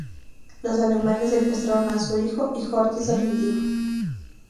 Los alemanes secuestraron a su hijo y Horthy se rindió.